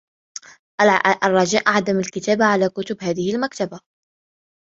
الرجاء عدم الكتاية على كتب هذه المكتبة